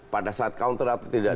pada saat counter atau tidak